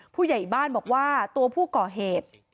ผู้ใหญ่บ้านบอกว่าตัวผู้ก่อเหตุ